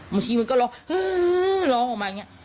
บางทีมันก็ล้อหื้อหื้อหื้อล้อของมันอย่างเงี้ย